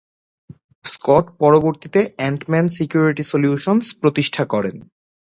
Scott পরবর্তীতে Ant Man Security Solutions প্রতিষ্ঠা করেন।